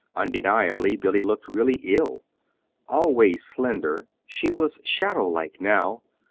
Undeniably Billy looked really ill. Always slender, she was shadow like now.